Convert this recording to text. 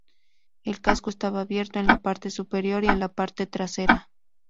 El casco estaba abierto en la parte superior y en la parte trasera.